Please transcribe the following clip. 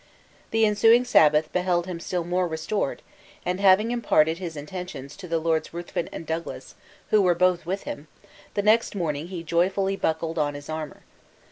The ensuing Sabbath beheld him still more restored, and having imparted his intentions to the Lords Ruthven and Douglas, who were both with him, the next morning he joyfully buckled on his armor.